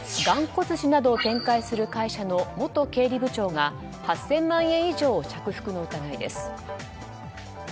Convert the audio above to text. がんこ寿司などを展開する会社の元経理部長が８０００万円以上を着服の疑いです。